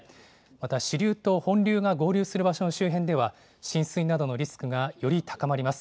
また支流と本流が合流する場所の周辺では、浸水などのリスクがより高まります。